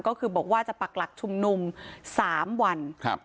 ก็คือบอกว่าจะปักหลักชุมนุม๓วัน